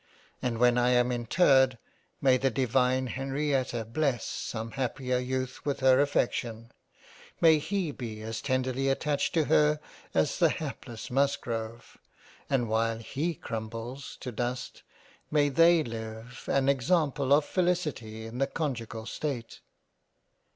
And when I am interred, may the divine Henrietta bless some happier Youth with her affection, May he be as tenderly attached to her as the hapless Musgrove and while he crumbles 123 jl JANE AUSTEN £ to dust, May they live an example of Felicity in the Conjugal state